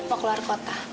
mau keluar kota